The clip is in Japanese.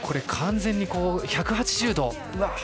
完全に１８０度。